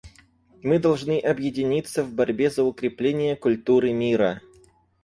Мы должны объединиться в борьбе за укрепление культуры мира.